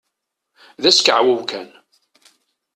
D askeɛwew kan!